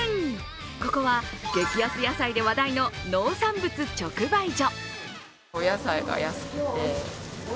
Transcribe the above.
ここは激安野菜で話題の農産物直売所。